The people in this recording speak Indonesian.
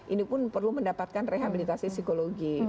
ini pun perlu mendapatkan rehabilitasi psikologi